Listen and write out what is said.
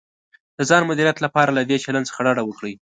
د ځان د مدیریت لپاره له دې چلند څخه ډډه وکړئ: